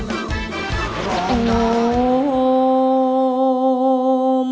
ร้องได้ให้ร้อง